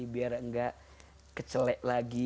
biar enggak kecelek lagi